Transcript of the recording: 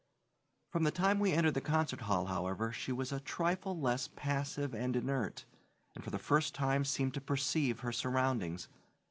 From the time we entered the concert hall, however, she was a trifle less passive and inert, and for the first time seemed to perceive her surroundings.